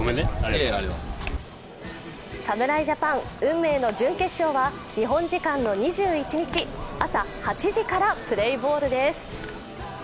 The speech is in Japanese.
侍ジャパン、運命の準決勝は日本時間の２１日、朝８時からプレーボールです。